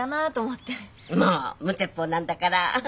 もう無鉄砲なんだから。